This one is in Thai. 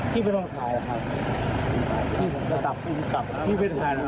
พี่ไปถ่ายแล้วครับ